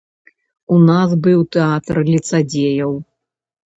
У нас быў тэатр ліцадзеяў.